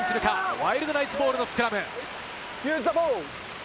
ワイルドナイツボールのスクラム。